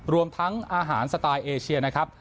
รวมทั้งอาหารสไตล์เอเชียนะครับ